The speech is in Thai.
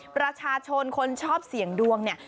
ประชาชนคนชอบเสี่ยงดวงเนี่ย